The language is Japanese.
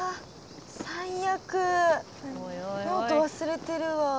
ノート忘れてるわあ。